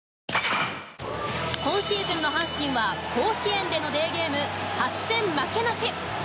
今シーズンの阪神は甲子園でのデーゲーム８戦負けなし！